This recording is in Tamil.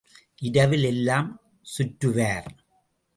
இரவில் எல்லாம் சுற்றுவார்.